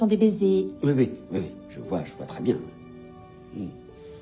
うん。